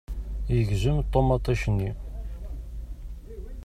Yegzem ṭumaṭic-nni.